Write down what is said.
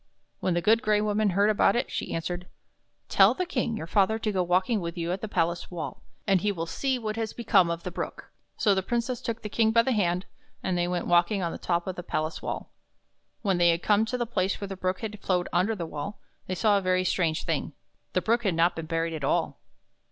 When the Good Gray Woman heard about it she answered :" Tell the King, your father, to go walking with you on the palace wall, and he will see what has become of the Brook." So the Princess took the King by the hand, and they went walking on the top of the palace wall. When they came to the place where the Brook had flowed under the wall, they saw a very strange thing. The Brook had not been buried at all!